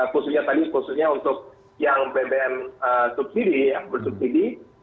khususnya tadi khususnya untuk yang bbm subsidi ya bersubsidi